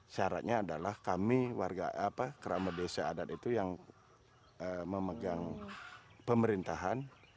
syaratnya adalah kami warga kerama desa adat itu yang memegang pemerintahan